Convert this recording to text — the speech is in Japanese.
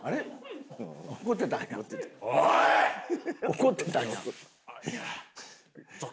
怒ってたんや。